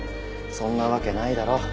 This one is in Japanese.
そんなわけないだろ。